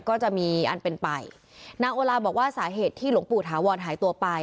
ก็จะมีอันเป็นไปนางโอลาบอกว่าสาเหตุที่หลวงปู่ถาวรหายตัวไป